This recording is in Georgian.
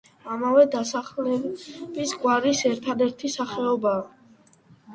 ამავე დასახელების გვარის ერთადერთი სახეობა.